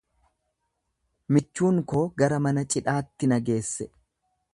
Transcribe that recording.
Michuun koo gara mana cidhaatti na geesse;